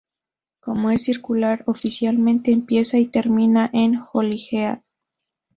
Como es circular, oficialmente empieza y termina en Holyhead.